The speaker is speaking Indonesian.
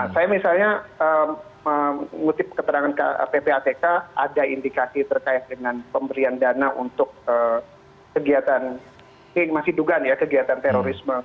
saya misalnya mengutip keterangan ppatk ada indikasi terkait dengan pemberian dana untuk kegiatan ini masih dugaan ya kegiatan terorisme